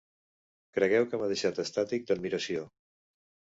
Cregueu que m'ha deixat estàtic d'admiració